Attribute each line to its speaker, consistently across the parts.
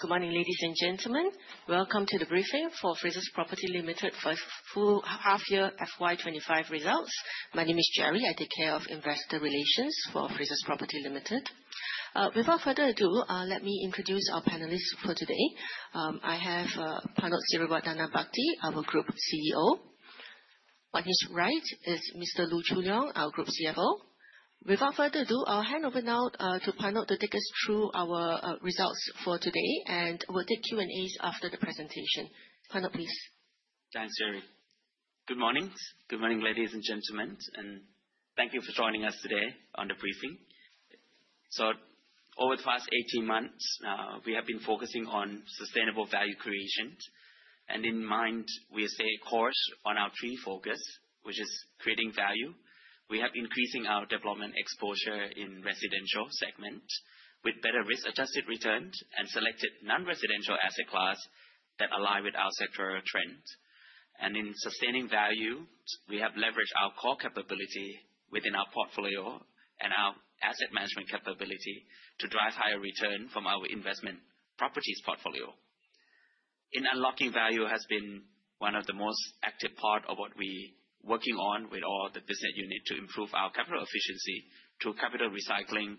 Speaker 1: Good morning, ladies and gentlemen. Welcome to The Briefing for Frasers Property Limited For First Half Year FY25 Results. My name is Gerry. I take care of investor relations for Frasers Property Limited. Without further ado, let me introduce our panelists for today. I have Panote Sirivadhanabhakdi, our Group CEO. On his right is Mr. Loo Choo Leong, our Group CFO. Without further ado, I'll hand over now to Panote to take us through our results for today, and we'll take Q&A after the presentation. Panote, please.
Speaker 2: Thanks, Gerry. Good morning. Good morning, ladies and gentlemen, and thank you for joining us today on the briefing. So over the past 18 months, we have been focusing on sustainable value creation, and in mind, we stay course on our three focus, which is creating value. We have increasing our development exposure in residential segment with better risk-adjusted returns and selected non-residential asset class that align with our sectoral trend. And in sustaining value, we have leveraged our core capability within our portfolio and our asset management capability to drive higher return from our investment properties portfolio. In unlocking value has been one of the most active part of what we working on with all the business unit to improve our capital efficiency through capital recycling,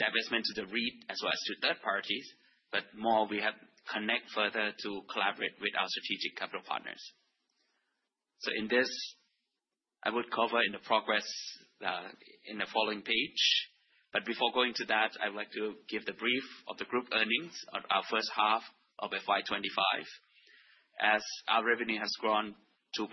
Speaker 2: divestment to the REIT, as well as to third parties, but more we have connect further to collaborate with our strategic capital partners. So in this, I would cover in the progress in the following page. But before going to that, I'd like to give the brief of the group earnings on our first half of FY25. As our revenue has grown 2.7%,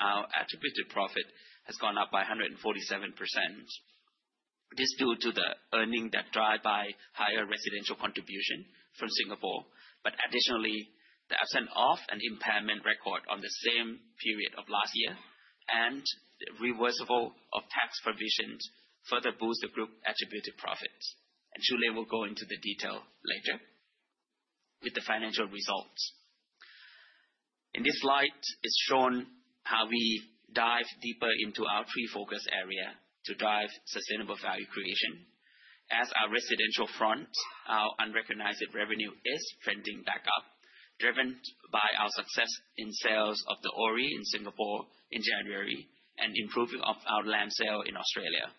Speaker 2: our attributed profit has gone up by 147%. This due to the earning that drive by higher residential contribution from Singapore, but additionally, the absence of an impairment record on the same period of last year and the reversible of tax provisions further boost the group attributed profit. Choo Leong will go into the detail later with the financial results. In this slide, it's shown how we dive deeper into our three focus area to drive sustainable value creation. On our residential front, our unrecognized revenue is trending back up, driven by our success in sales of The Orie in Singapore in January and improving of our land sale in Australia.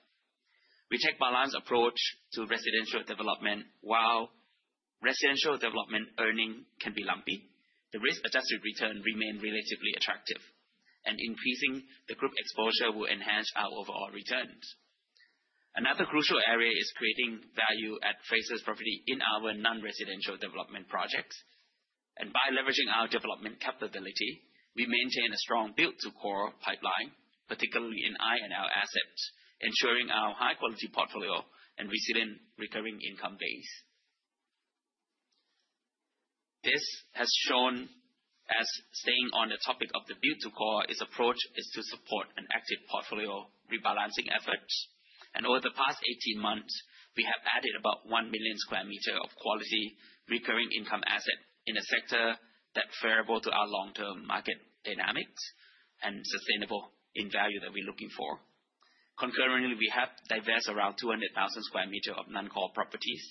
Speaker 2: We take balanced approach to residential development. While residential development earning can be lumpy, the risk-adjusted return remain relatively attractive, and increasing the group exposure will enhance our overall returns. Another crucial area is creating value at Frasers Property in our non-residential development projects, and by leveraging our development capability, we maintain a strong built-to-core pipeline, particularly in I&L assets, ensuring our high-quality portfolio and resilient recurring income base. This has shown, as staying on the topic of the built-to-core, its approach is to support an active portfolio rebalancing efforts. Over the past 18 months, we have added about 1 million square meters of quality recurring income assets in a sector that is favorable to our long-term market dynamics and sustainable in value that we're looking for. Concurrently, we have divested around 200,000 square meters of non-core properties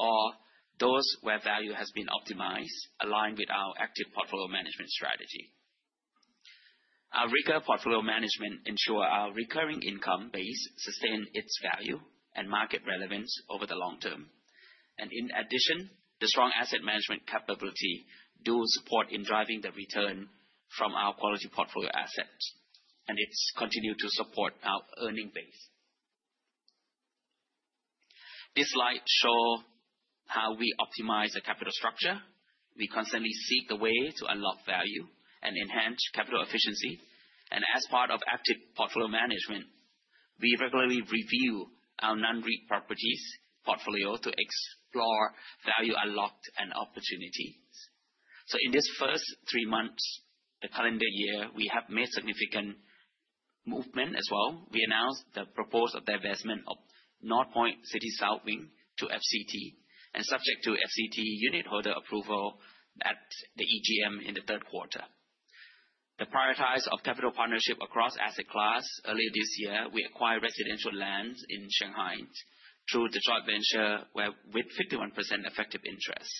Speaker 2: or those where value has been optimized, aligned with our active portfolio management strategy. Our rigorous portfolio management ensures our recurring income base sustains its value and market relevance over the long term. In addition, the strong asset management capability does support in driving the return from our quality portfolio assets, and it's continued to support our earning base. This slide shows how we optimize the capital structure. We constantly seek a way to unlock value and enhance capital efficiency, and as part of active portfolio management, we regularly review our non-REIT properties portfolio to explore value unlocked and opportunities. So in this first three months, the calendar year, we have made significant movement as well. We announced the proposed divestment of Northpoint City South Wing to FCT, and subject to FCT unitholder approval at the EGM in the third quarter. The prioritization of capital partnership across asset class, earlier this year, we acquired residential lands in Shanghai through the joint venture where with 51% effective interest.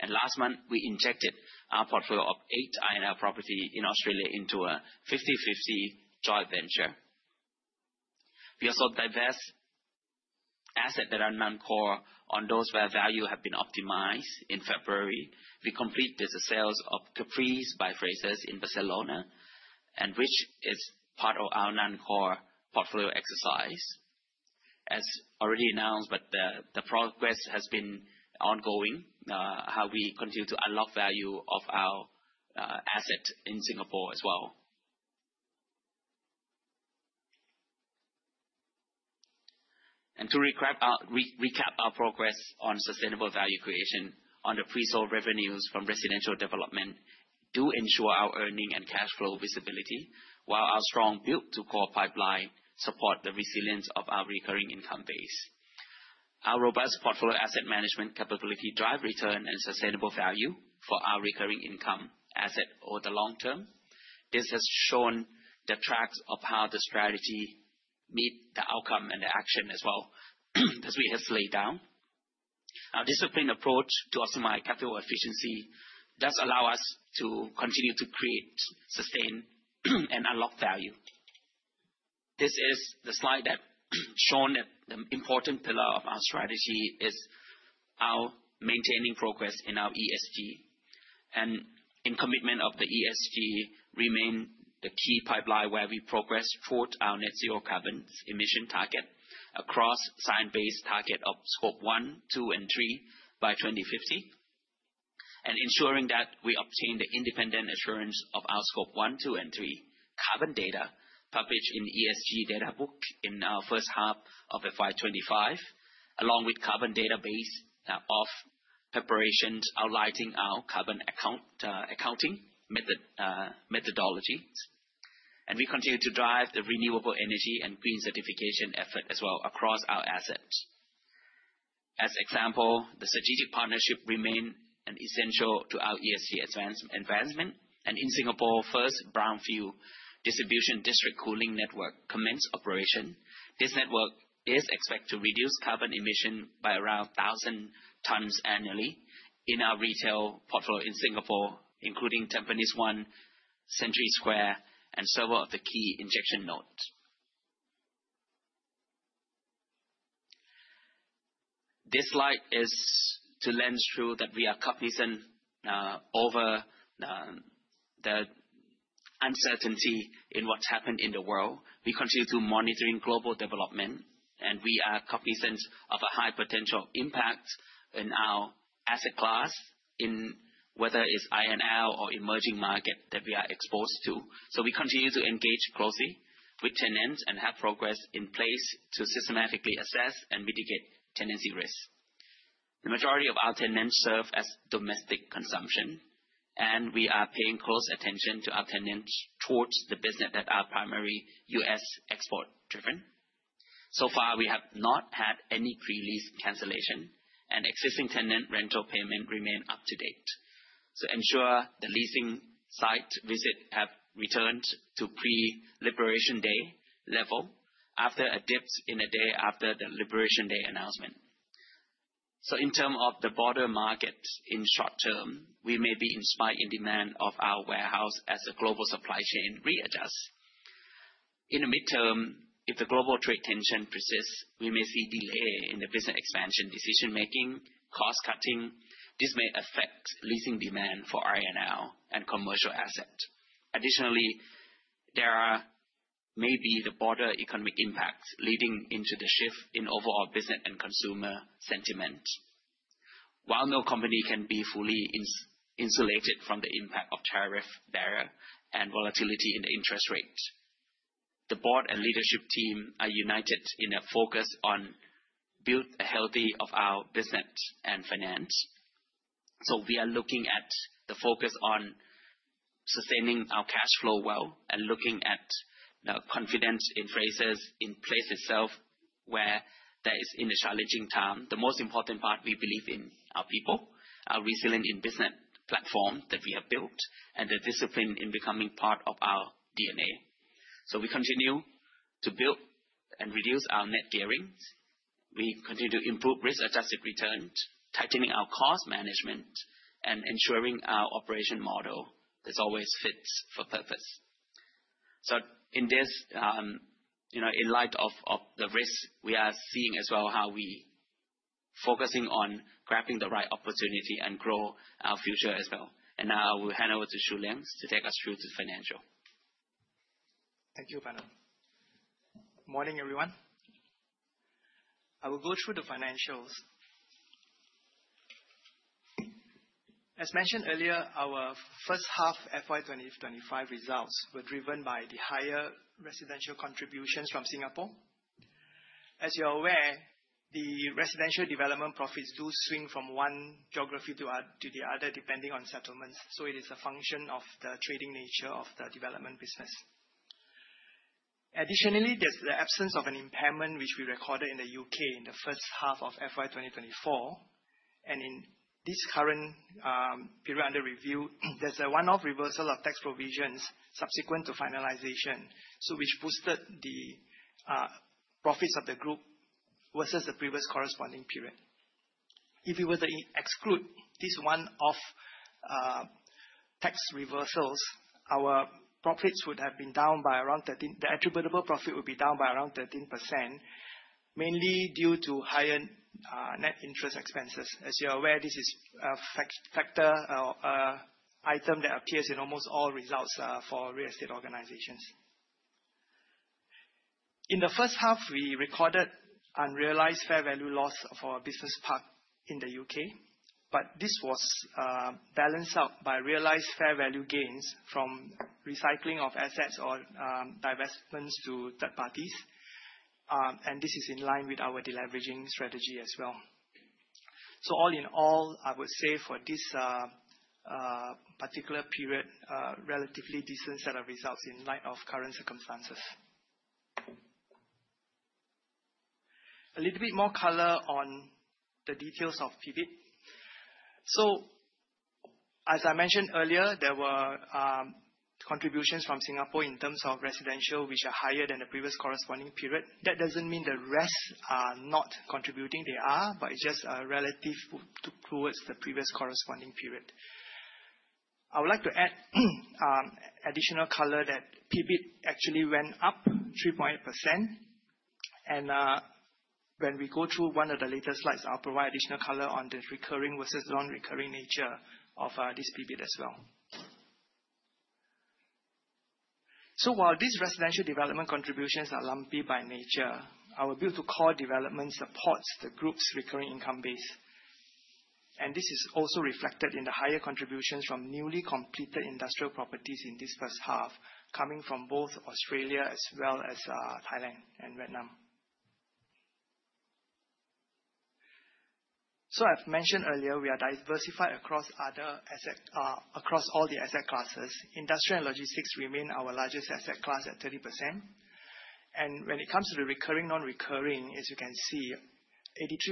Speaker 2: And last month, we injected our portfolio of eight I&L property in Australia into a 50/50 joint venture. We also divest asset that are non-core on those where value have been optimized. In February, we completed the sales of Capri by Fraser in Barcelona, which is part of our non-core portfolio exercise. As already announced, the progress has been ongoing, how we continue to unlock value of our asset in Singapore as well. To recap our progress on sustainable value creation, the pre-sold revenues from residential development do ensure our earning and cash flow visibility, while our strong built-to-core pipeline support the resilience of our recurring income base. Our robust portfolio asset management capability drive return and sustainable value for our recurring income asset over the long term. This has shown the tracks of how the strategy meets the outcome and the action as well as we have laid down. Our disciplined approach to optimize capital efficiency does allow us to continue to create, sustain, and unlock value. This is the slide that shown that the important pillar of our strategy is our maintaining progress in our ESG. In commitment of the ESG remain the key pipeline where we progress toward our net zero carbon emission target across Science Based Targets of Scope 1, 2, and 3 by 2050. Ensuring that we obtain the independent assurance of our Scope 1, 2, and 3 carbon data, published in ESG Data Book in our first half of FY25, along with carbon database of preparations, outlining our carbon accounting methodology. We continue to drive the renewable energy and green certification effort as well across our assets. As example, the strategic partnership remain an essential to our ESG advancement, and in Singapore, first brownfield district cooling network commenced operation. This network is expected to reduce carbon emission by around 1,000 tons annually in our retail portfolio in Singapore, including Tampines 1, Century Square, and several of the key injection nodes. This slide is to lens through that we are cognizant of the uncertainty in what's happened in the world. We continue to monitoring global development, and we are cognizant of a high potential impact in our asset class, in whether it's I&L or emerging market that we are exposed to. So we continue to engage closely with tenants and have progress in place to systematically assess and mitigate tenancy risk. The majority of our tenants serve as domestic consumption, and we are paying close attention to our tenants towards the business that are primary U.S. export-driven. So far, we have not had any pre-lease cancellation, and existing tenant rental payment remain up to date. To ensure the leasing site visit have returned to pre-Liberation Day level after a dip in the day after the Liberation Day announcement. So in terms of the broader market, in short term, we may be in spike in demand of our warehouse as the global supply chain readjust. In the midterm, if the global trade tension persists, we may see delay in the business expansion, decision-making, cost-cutting. This may affect leasing demand for I&L and commercial asset. Additionally, there may be the broader economic impact leading into the shift in overall business and consumer sentiment. While no company can be fully insulated from the impact of tariff barrier and volatility in the interest rate, the board and leadership team are united in a focus on build a healthy of our business and finance. So we are looking at the focus on sustaining our cash flow well and looking at the confidence in Frasers, in place itself, where there is in a challenging time. The most important part, we believe in our people, our resilient business platform that we have built, and the discipline in becoming part of our DNA. So we continue to build and reduce our net gearing. We continue to improve risk-adjusted return, tightening our cost management, and ensuring our operational model is always fit for purpose. So in this, you know, in light of the risk, we are seeing as well how we focusing on grabbing the right opportunity and grow our future as well. And now I will hand over to Choo Leong to take us through to financial.
Speaker 3: Thank you, Panote. Morning, everyone. I will go through the financials. As mentioned earlier, our first half FY 2025 results were driven by the higher residential contributions from Singapore. As you are aware, the residential development profits do swing from one geography to the other, depending on settlements, so it is a function of the trading nature of the development business. Additionally, there's the absence of an impairment which we recorded in the U.K. in the first half of FY 2024, and in this current period under review, there's a one-off reversal of tax provisions subsequent to finalization, so which boosted the profits of the group versus the previous corresponding period. If we were to exclude this one-off tax reversals, our profits would have been down by around 13%. The attributable profit would be down by around 13%, mainly due to higher net interest expenses. As you are aware, this is a factor or a item that appears in almost all results for real estate organizations. In the first half, we recorded unrealized fair value loss for our business park in the U.K., but this was balanced out by realized fair value gains from recycling of assets or divestments to third parties. And this is in line with our deleveraging strategy as well. So all in all, I would say for this particular period, relatively decent set of results in light of current circumstances. A little bit more color on the details of PBIT. So as I mentioned earlier, there were contributions from Singapore in terms of residential, which are higher than the previous corresponding period. That doesn't mean the rest are not contributing. They are, but just relative to the previous corresponding period. I would like to add additional color that PBIT actually went up 3%, and when we go through one of the later slides, I'll provide additional color on the recurring versus non-recurring nature of this PBIT as well. So while these residential development contributions are lumpy by nature, our ability to core development supports the group's recurring income base, and this is also reflected in the higher contributions from newly completed industrial properties in this first half, coming from both Australia as well as Thailand and Vietnam. So I've mentioned earlier, we are diversified across other asset, across all the asset classes. Industrial and logistics remain our largest asset class at 30%, and when it comes to the recurring, non-recurring, as you can see,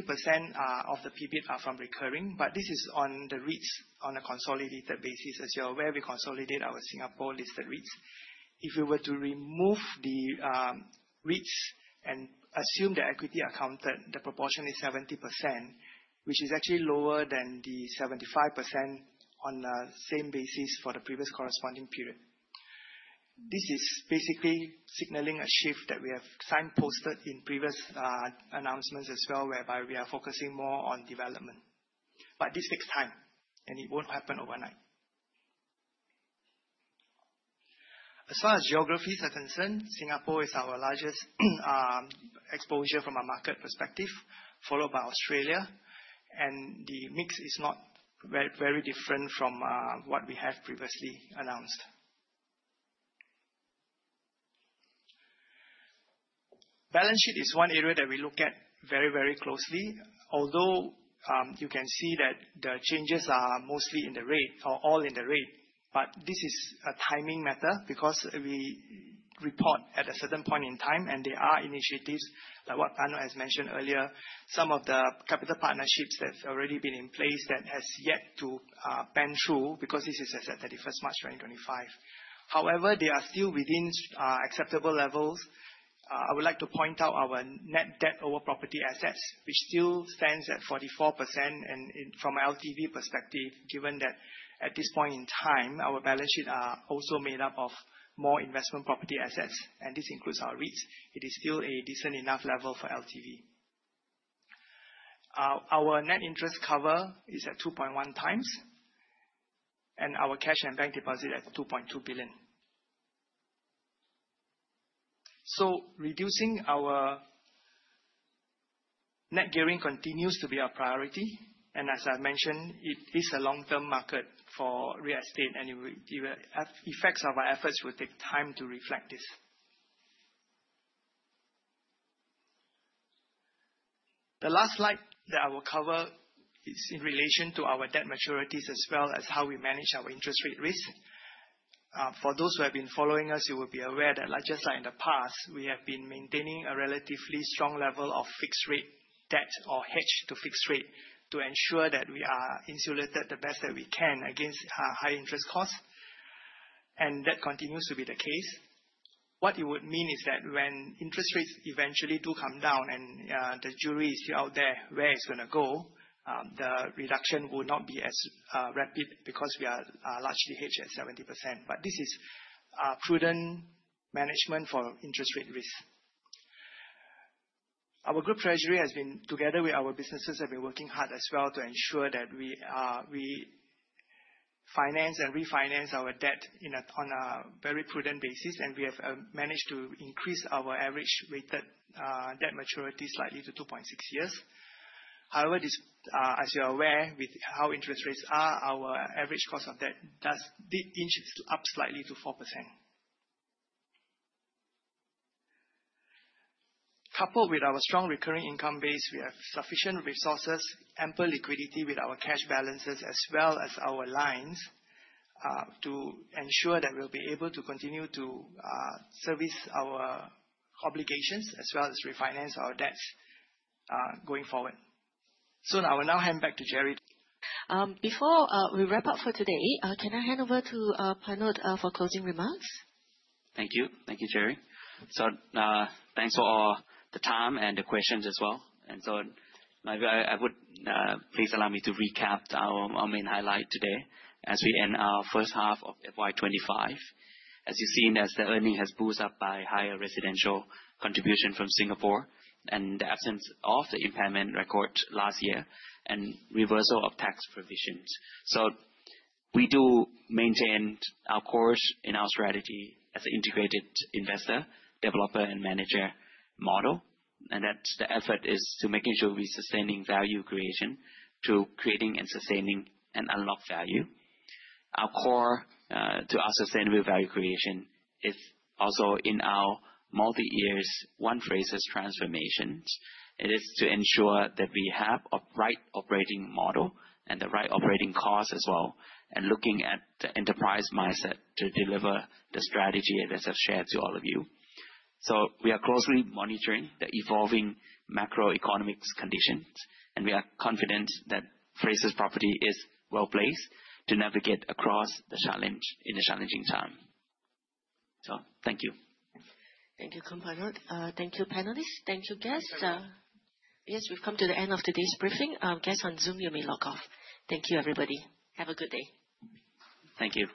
Speaker 3: 83%, of the PBIT are from recurring, but this is on the REITs, on a consolidated basis. As you're aware, we consolidate our Singapore-listed REITs. If we were to remove the, REITs and assume the equity accounted, the proportion is 70%, which is actually lower than the 75% on the same basis for the previous corresponding period. This is basically signaling a shift that we have signposted in previous, announcements as well, whereby we are focusing more on development, but this takes time, and it won't happen overnight. As far as geographies are concerned, Singapore is our largest exposure from a market perspective, followed by Australia, and the mix is not very, very different from what we have previously announced. Balance sheet is one area that we look at very, very closely, although you can see that the changes are mostly in the rate or all in the rate. But this is a timing matter, because we report at a certain point in time, and there are initiatives, like what Panote has mentioned earlier, some of the capital partnerships that's already been in place that has yet to pan through, because this is as at 31 March 2025. However, they are still within acceptable levels. I would like to point out our net debt over property assets, which still stands at 44%, and in... From a LTV perspective, given that at this point in time, our balance sheet are also made up of more investment property assets, and this includes our REITs, it is still a decent enough level for LTV. Our net interest cover is at 2.1 times, and our cash and bank deposit at 2.2 billion. So reducing our net gearing continues to be our priority, and as I've mentioned, it is a long-term market for real estate, and it will, the effects of our efforts will take time to reflect this. The last slide that I will cover is in relation to our debt maturities, as well as how we manage our interest rate risk. For those who have been following us, you will be aware that like just like in the past, we have been maintaining a relatively strong level of fixed rate debt or hedge to fixed rate to ensure that we are insulated the best that we can against, high interest costs, and that continues to be the case. What it would mean is that when interest rates eventually do come down and, the jury is still out there, where it's gonna go, the reduction will not be as, rapid because we are, largely hedged at 70%, but this is, prudent management for interest rate risk. Our group treasury has been, together with our businesses, have been working hard as well to ensure that we are, we finance and refinance our debt on a very prudent basis, and we have managed to increase our average rated debt maturity slightly to 2.6 years. However, this, as you're aware, with how interest rates are, our average cost of debt did inch up slightly to 4%. Coupled with our strong recurring income base, we have sufficient resources, ample liquidity with our cash balances, as well as our lines to ensure that we'll be able to continue to service our obligations as well as refinance our debts going forward. So now, I will now hand back to Gerry.
Speaker 1: Before we wrap up for today, can I hand over to Panote for closing remarks?
Speaker 2: Thank you. Thank you, Gerry. So, thanks for all the time and the questions as well, and so maybe I would please allow me to recap our main highlight today as we end our first half of FY 2025. As you've seen, as the earnings has boosted up by higher residential contribution from Singapore, and the absence of the impairment record last year and reversal of tax provisions. So we do maintain our course and our strategy as an integrated investor, developer, and manager model, and that's the effort is to making sure we're sustaining value creation, to creating and sustaining and unlock value. Our core to our sustainable value creation is also in our multi-years, One Frasers transformations. It is to ensure that we have a right operating model and the right operating costs as well, and looking at the enterprise mindset to deliver the strategy as I've shared to all of you. So we are closely monitoring the evolving macroeconomic conditions, and we are confident that Frasers Property is well-placed to navigate across the challenge in a challenging time. So thank you.
Speaker 1: Thank you, Khun Panote. Thank you, panelists. Thank you, guests. Yes, we've come to the end of today's briefing. Our guests on Zoom, you may log off. Thank you, everybody. Have a good day.
Speaker 2: Thank you.